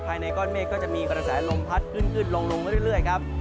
ในก้อนเมฆก็จะมีกระแสลมพัดขึ้นลงเรื่อยครับ